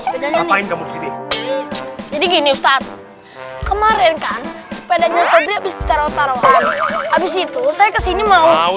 badan din begini ustadz kemarin kan sepedanya sobat resterau taruhan habis itu saya kesini mau